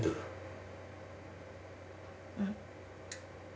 ・うん。